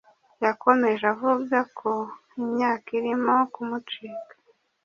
yakomeje avuga ko imyaka irimo kumucika,